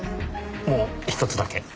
もうひとつだけ。